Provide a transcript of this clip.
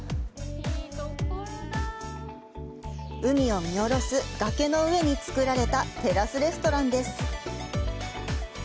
海を見おろす崖の上につくられたテラスレストランです。